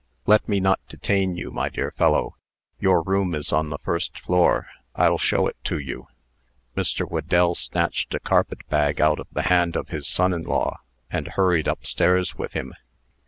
Let me not detain you, my dear fellow. Your room is on the first floor. I'll show it to you." Mr. Whedell snatched a carpet bag out of the hand of his son in law, and hurried up stairs with him.